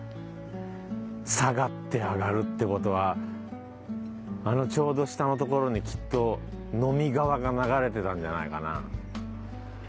下がって上がるって事はあのちょうど下のところにきっと呑川が流れてたんじゃないかな。